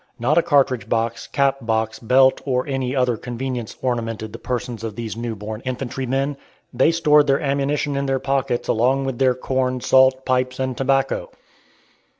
Not a cartridge box, cap box, belt, or any other convenience ornamented the persons of these new born infantrymen. They stored their ammunition in their pockets along with their corn, salt, pipes, and tobacco.